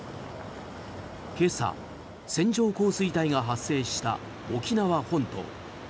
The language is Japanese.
今朝、線状降水帯が発生した沖縄本島。